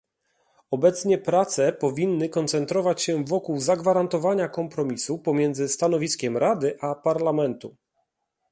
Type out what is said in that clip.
Obecnie prace powinny koncentrować się wokół zagwarantowania kompromisu pomiędzy stanowiskiem Rady a Parlamentu